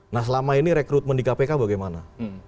nah selama ini rekrutmen di kpk bagaimana